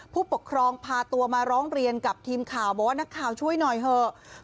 ผู้ปกครองพาตัวมาร้องเรียนกับทีมข่าวบอกว่านักข่าวช่วยหน่อยเถอะ